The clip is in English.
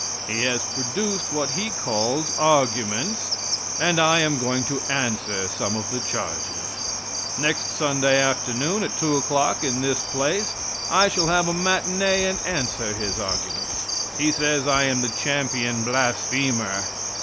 He has produced what he calls arguments, and I am going to answer some of the charges. Next Sunday afternoon, at 2 o'clock; in this place, I shall have a matinee, and answer his arguments. He says I am the champion blasphemer.